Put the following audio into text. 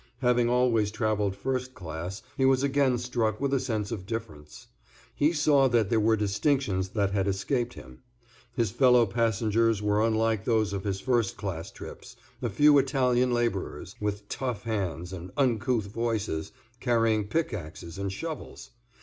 Having always travelled first class, he was again struck with a sense of difference. He saw there were distinctions that had escaped him. His fellow passengers were unlike those of his first class trips, a few Italian laborers, with tough hands and uncouth voices, carrying pickaxes and shovels.